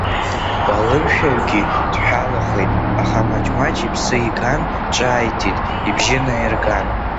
Уалымшәаҩгьы дҳәалахеит, аха маҷ-маҷ иԥсы иган, ҿааиҭит, ибжьы наирган…